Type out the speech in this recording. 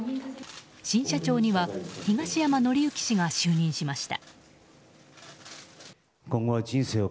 新社長には東山紀之氏が就任しました。